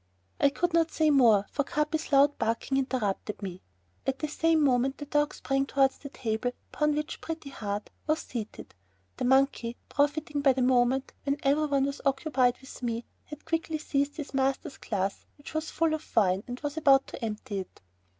I could not say more, for Capi's loud barking interrupted me. At the same moment the dog sprang towards the table upon which Pretty Heart was seated. The monkey, profiting by the moment when every one was occupied with me, had quickly seized his master's glass, which was full of wine, and was about to empty it.